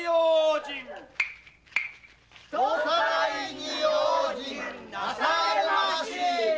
・人さらいに用心なされませ！